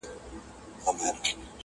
قتلول به یې مظلوم خلک بېځایه!.